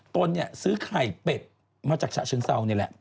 ต้นซื้อไข่เป็ดมาจากชะชึ้นเศร้านี่แหละ